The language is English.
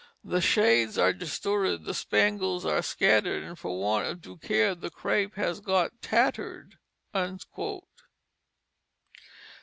The shades are dis sorted, the spangles are scattered And for want of due care the crape has got tattered."